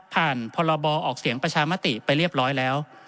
พรบออกเสียงประชามติไปเรียบร้อยแล้ว